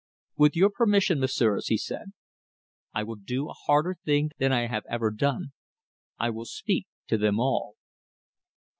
"With your permission, messieurs," he said, "I will do a harder thing than I have ever done. I will speak to them all."